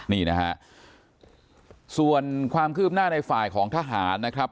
นี่นะฮะส่วนความคืบหน้าในฝ่ายของทหารนะครับ